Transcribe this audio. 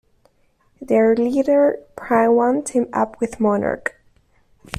Their leader Prime-One teamed up with Monarch.